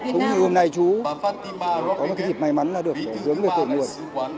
cũng như hôm nay chú có một cái dịp may mắn là được hướng về cội nguồn